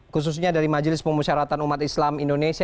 khususnya dari majelis pemusyaratan umat islam indonesia